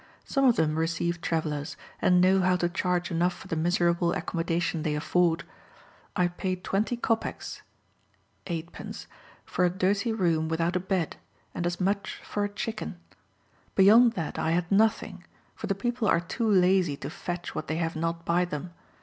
Some of them receive travellers, and know how to charge enough for the miserable accommodation they afford. I paid twenty kopecs (8d.) for a dirty room without a bed, and as much for a chicken. Beyond that I had nothing, for the people are too lazy to fetch what they have not by them.